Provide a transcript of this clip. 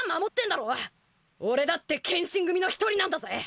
俺だって剣心組の一人なんだぜ！